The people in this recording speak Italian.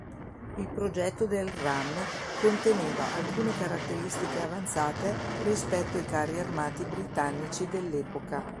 Il progetto del Ram conteneva alcune caratteristiche avanzate rispetto ai carri armati britannici dell'epoca.